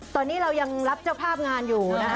เพราะเรายังรับเจ้าภาพงานอยู่นะครับ